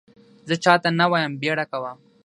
زه چا ته نه وایم بیړه کوه !